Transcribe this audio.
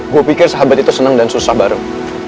gue pikir sahabat itu senang dan susah bareng